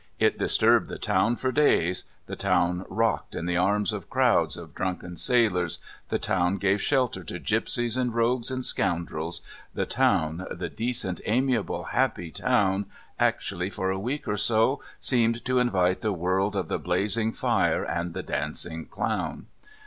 It disturbed the town for days, the town rocked in the arms of crowds of drunken sailors, the town gave shelter to gipsies and rogues and scoundrels, the town, the decent, amiable, happy town actually for a week or so seemed to invite the world of the blazing fire and the dancing clown.